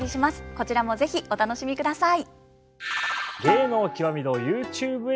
こちらも是非お楽しみください。